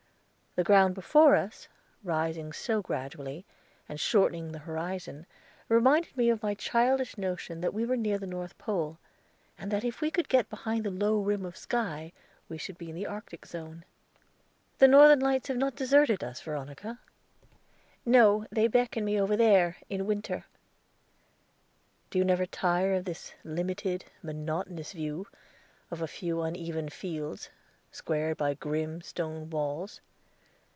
The ground before us, rising so gradually, and shortening the horizon, reminded me of my childish notion that we were near the North Pole, and that if we could get behind the low rim of sky we should be in the Arctic Zone. "The Northern Lights have not deserted us, Veronica?" "No; they beckon me over there, in winter." "Do you never tire of this limited, monotonous view of a few uneven fields, squared by grim stone walls?"